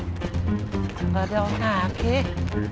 gak ada yang kakak sakit